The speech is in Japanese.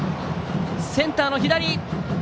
センターの左。